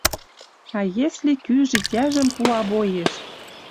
А если кӱ житяжым пуа боеш